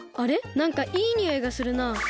なんかいいにおいがするな。